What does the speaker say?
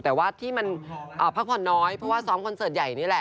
แต่ว่าที่มันพักผ่อนน้อยเพราะว่าซ้อมคอนเสิร์ตใหญ่นี่แหละ